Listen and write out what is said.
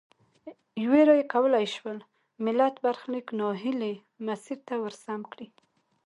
یوي رایې کولای سول ملت برخلیک نا هیلي مسیر ته ورسم کړي.